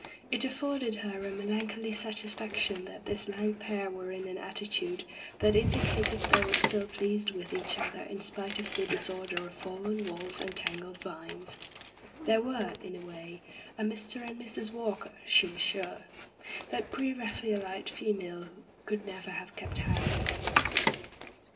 It afforded her a melan choly satisfaction that this lank pair were in an attitude that indicated they were still pleased with each other in spite of the dis order of fallen walls and tangled vines. They were, in a way, a Mr. and Mrs. Walker, she was sure. That pre Raphaelite female could never have kept house.